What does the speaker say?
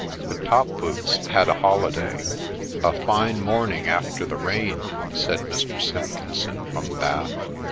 The ' top boots ' had a holiday. ' A fine morning after the rain,' said Mr. Simpkinson from Bath.